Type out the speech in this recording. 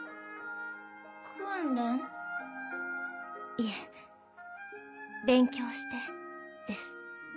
いえ勉強してです。